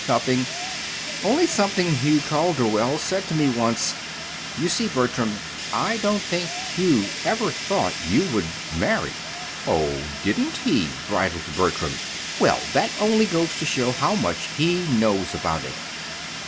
"Nothing, only something Hugh Calderwell said to me once. You see, Bertram, I don't think Hugh ever thought you would marry." "Oh, didn't he?" bridled Bertram. "Well, that only goes to show how much he knows about it.